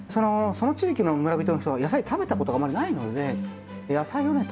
その地域の村人の人は野菜食べたことがあまりないので野菜をね